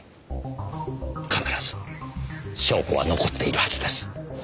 必ず証拠は残っているはずです。